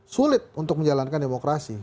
sulit untuk menjalankan demokrasi